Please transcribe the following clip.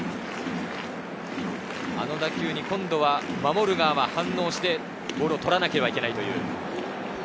あの打球に今度は守る側は反応してボールを捕らなければいけないという。